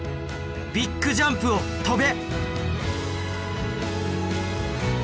ビッグジャンプを飛べ！